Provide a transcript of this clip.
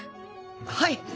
はい！